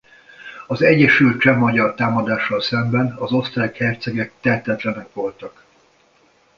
Az egyesült cseh–magyar támadással szemben az osztrák hercegek tehetetlenek voltak.